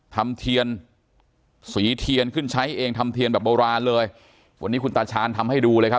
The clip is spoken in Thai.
ทำเทียนสีเทียนขึ้นใช้เองทำเทียนแบบโบราณเลยวันนี้คุณตาชาญทำให้ดูเลยครับ